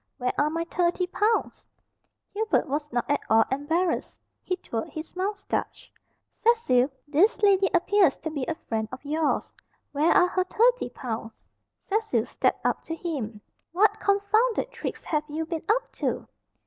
Where are my thirty pounds?" Hubert was not at all embarrassed. He twirled his moustache. "Cecil, this lady appears to be a friend of yours. Where are her thirty pounds?" Cecil stepped up to him. "What confounded tricks have you been up to?"